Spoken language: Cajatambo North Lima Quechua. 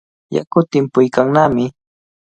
Yaku timpuykannami.